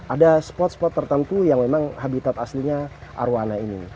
ada spot spot tertentu yang memang habitat aslinya arowana ini